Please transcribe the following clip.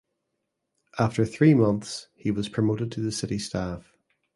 After three months he was promoted to the city staff.